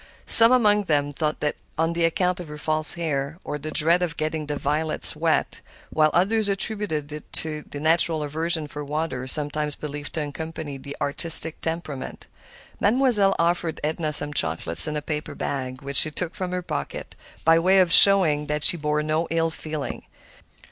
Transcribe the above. Some among them thought it was on account of her false hair, or the dread of getting the violets wet, while others attributed it to the natural aversion for water sometimes believed to accompany the artistic temperament. Mademoiselle offered Edna some chocolates in a paper bag, which she took from her pocket, by way of showing that she bore no ill feeling.